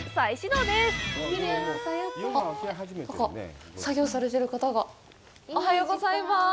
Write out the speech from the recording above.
どうも、おはようございます。